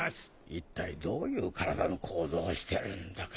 一体どういう体の構造をしてるんだか。